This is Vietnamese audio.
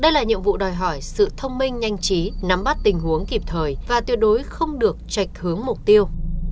đây là nhiệm vụ đòi hỏi sự thông minh nhanh chí nắm bắt tình huống kịp thời và tuyệt đối không được trạch hướng mục tiêu